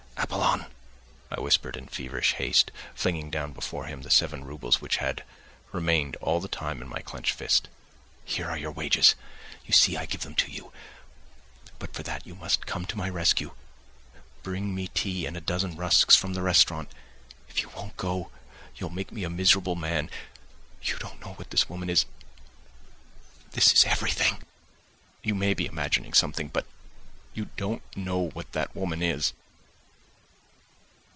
"Apollon," I whispered in feverish haste, flinging down before him the seven roubles which had remained all the time in my clenched fist, "here are your wages, you see I give them to you; but for that you must come to my rescue: bring me tea and a dozen rusks from the restaurant. If you won't go, you'll make me a miserable man! You don't know what this woman is.... This is—everything! You may be imagining something.... But you don't know what that woman is!